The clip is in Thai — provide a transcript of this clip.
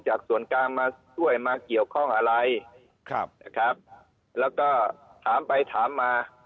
ส่วนกลางมาช่วยมาเกี่ยวข้องอะไรครับนะครับแล้วก็ถามไปถามมา